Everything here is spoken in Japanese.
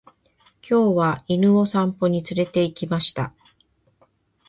今日は犬を散歩に連れて行きました。